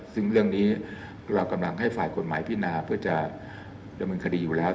ซึ่งเรื่องนี้เรากำลังให้ฝ่ายกฎหมายพินาเพื่อจะดำเนินคดีอยู่แล้ว